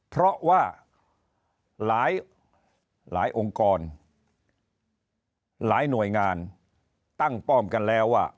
เพราะว่าหลายองค์กรหลายหน่วยงานตั้งป้อมกันแล้วว่า